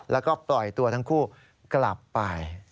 แล้วก็ปล่อยตัวทั้งคู่กลับไป